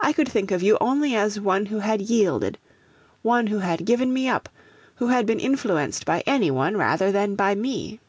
I could think of you only as one who had yielded, who had given me up, who had been influenced by anyone rather than by me.